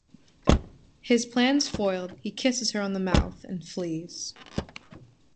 His plans foiled, he kisses her on the mouth, and flees.